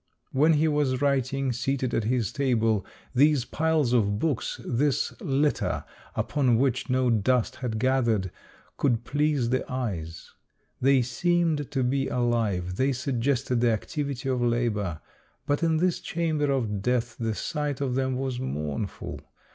When he was writing, seated at his table, these piles of books, this litter upon which no dust had gathered, could please the eyes. 238 Monday Tales, They seemed to be alive, they suggested the activity of labor. But in this chamber of death the sight of them was mournful.